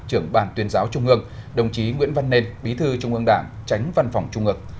trưởng bàn tuyên giáo trung ương đồng chí nguyễn văn nên bí thư trung ương đảng tránh văn phòng trung ương